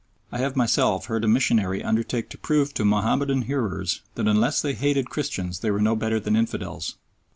I have myself heard a missionary undertake to prove to Mahomedan hearers that unless they hated Christians they were no better than infidels.